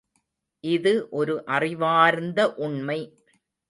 இது ஒரு அறிவார்ந்த உண்மை.